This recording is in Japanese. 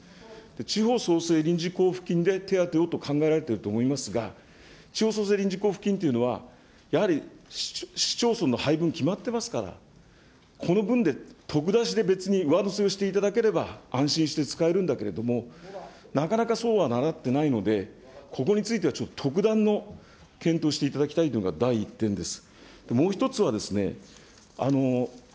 地方創生臨時交付金で手当てをと考えられていると思いますが、地方創生臨時交付金というのは、やはり市町村の配分、決まってますから、この分で特出しで別に上乗せをしていただければ安心して使えるんだけれども、なかなかそうはなってないのでここについてはちょっと特段の検討をしていただきというのが第１点です。